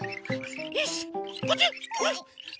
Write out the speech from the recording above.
よしこっち！